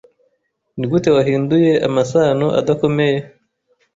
Nigute wahinduye amasano adakomeye